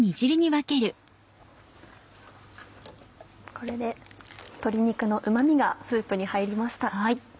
これで鶏肉のうま味がスープに入りました。